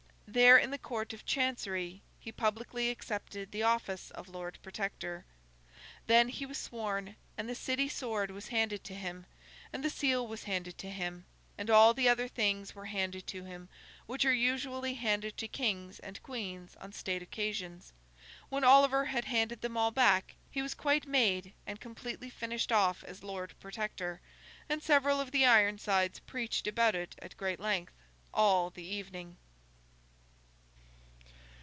There, in the Court of Chancery, he publicly accepted the office of Lord Protector. Then he was sworn, and the City sword was handed to him, and the seal was handed to him, and all the other things were handed to him which are usually handed to Kings and Queens on state occasions. When Oliver had handed them all back, he was quite made and completely finished off as Lord Protector; and several of the Ironsides preached about it at great length, all the evening.